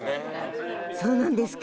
そうなんですか。